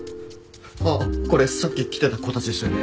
あっこれさっき来てた子たちですよね？